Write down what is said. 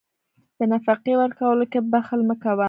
د نفقې ورکولو کې بخل مه کوه.